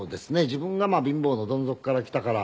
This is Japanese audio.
自分が貧乏のどん底から来たから。